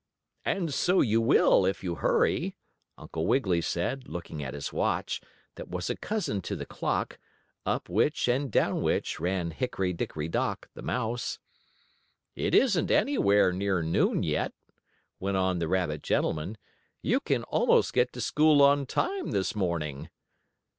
"And so you will, if you hurry," Uncle Wiggily said, looking at his watch, that was a cousin to the clock, up which, and down which, ran Hickory Dickory Dock, the mouse. "It isn't anywhere near noon yet," went on the rabbit gentleman. "You can almost get to school on time this morning."